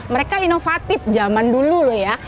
mereka inovatif zaman dulu loh ya